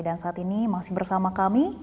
dan saat ini masih bersama kami